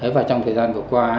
và trong thời gian vừa qua